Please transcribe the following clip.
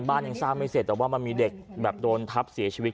ยังสร้างไม่เสร็จแต่ว่ามันมีเด็กแบบโดนทับเสียชีวิต